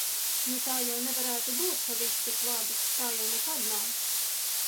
Nu, tā jau nevarētu būt, ka viss tik labi, tā jau nekad nav.